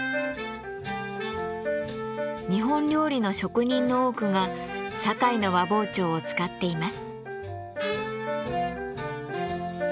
日本料理の職人の多くが堺の和包丁を使っています。